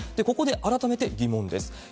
ここで改めて疑問です。